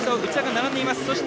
並んでいます。